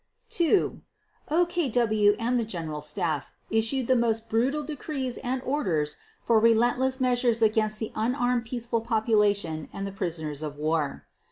2. _OKW and the General Staff issued the most brutal decrees and orders for relentless measures against the unarmed peaceful population and the prisoners of war.